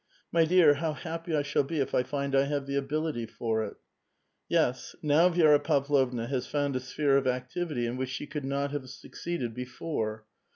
My dear, how happy I shall be if I find I have the ability for it." Yes ; now Vi^ra Pavlovna has found a sphere of activity in which she could not have succeeded before.